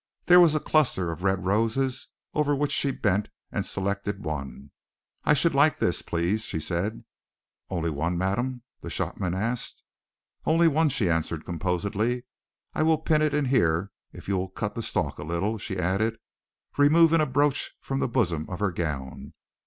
There was a cluster of red roses over which she bent and selected one. "I should like this, please," she said. "One only, madam?" the shopman asked. "One only," she answered composedly. "I will pin it in here if you will cut the stalk a little," she added, removing a brooch from the bosom of her gown.